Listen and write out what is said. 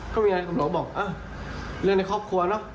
ก็มีอะไรตำรวจบอกเออเรื่องในครอบครัวเนอะ